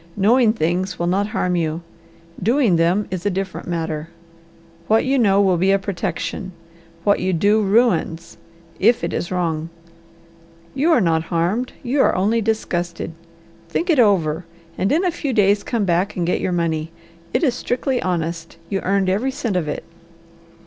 Knowing things will not harm you. Doing them is a different matter. What you know will be a protection. What you do ruins if it is wrong. You are not harmed, you are only disgusted. Think it over, and in a few days come back and get your money. It is strictly honest. You earned every cent of it."